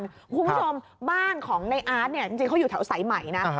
คุณผู้ชมบ้านของในอาร์ตเนี่ยจริงเขาอยู่แถวสายใหม่นะ